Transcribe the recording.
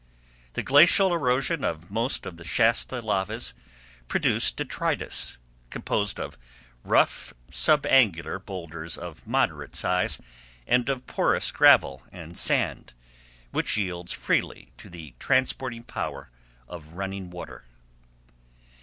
The glacial erosion of most of the Shasta lavas produces detritus, composed of rough, sub angular boulders of moderate size and of porous gravel and sand, which yields freely to the transporting power of running water.